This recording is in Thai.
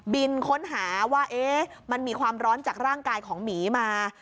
บินค้นหาว่ามันมีความร้อนจากร่างกายของหมีมา